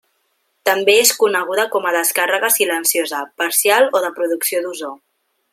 També és coneguda com a descàrrega silenciosa, parcial o de producció d'ozó.